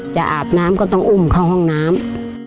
อาบน้ำก็ต้องอุ้มเข้าห้องน้ำ